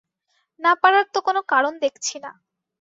না পারার তো কোনো কারণ দেখছি না।